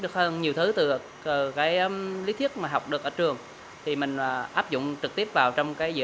được hơn nhiều thứ từ cái lý thuyết mà học được ở trường thì mình áp dụng trực tiếp vào trong cái dự